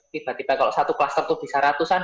tiba tiba kalau satu klaster tuh bisa ratusan